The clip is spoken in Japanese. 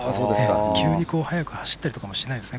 急に速く走ったりもしないですね。